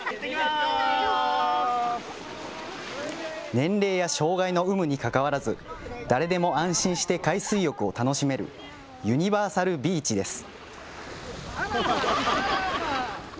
年齢や障害の有無にかかわらず誰でも安心して海水浴を楽しめるユニバーサルビーチです。